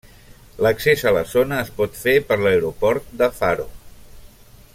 L'accés a la zona es pot fer per l'aeroport de Faro.